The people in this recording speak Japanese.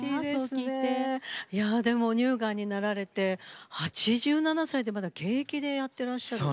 でも、乳がんになられて８７歳でまだ現役でやってらっしゃる。